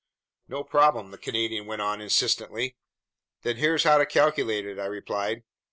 "No problem," the Canadian went on insistently. "Then here's how to calculate it," I replied.